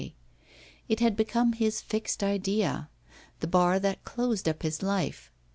It had become his fixed idea the bar that closed up his life.